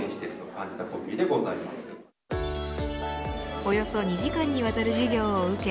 およそ２時間にわたる授業を受け